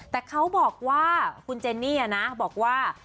แต่เขาบอกว่าคุณเจนนี่นะบอกว่า